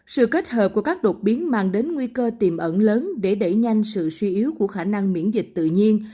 sự kết hợp của các đột biến mang đến nguy cơ tiềm ẩn lớn để đẩy nhanh sự suy yếu của khả năng miễn dịch tự nhiên